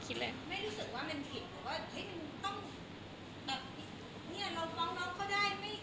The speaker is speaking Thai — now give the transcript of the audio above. กับการที่ผู้ชายคุณนึงมา